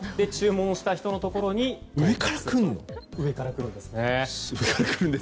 注文した人のところに上から来るんですね。